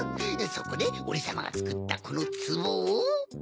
そこでおれさまがつくったこのつぼを。